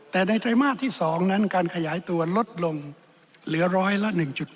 แต่ในไตรมาสที่๒นั้นการขยายตัวลดลงเหลือร้อยละ๑๗